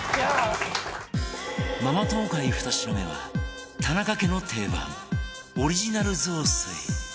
ママ友会２品目は田中家の定番オリジナル雑炊